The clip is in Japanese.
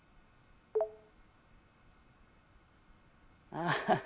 ああ。